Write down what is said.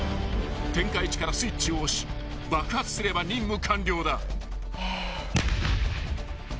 ［点火位置からスイッチを押し爆発すれば任務完了だ］